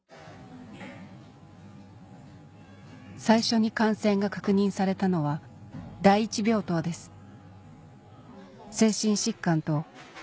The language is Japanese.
最初に感染が確認されたのは第１病棟です